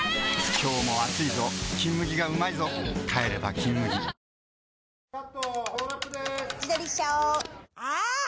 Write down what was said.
今日も暑いぞ「金麦」がうまいぞ帰れば「金麦」あれ？